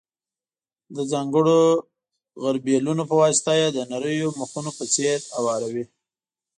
د ځانګړو غربیلونو په واسطه یې د نریو مخونو په څېر اواروي.